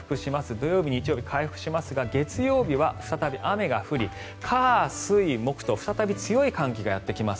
土曜日、日曜日回復しますが月曜日は再び雨が降り、火水木と再び強い寒気がやってきます。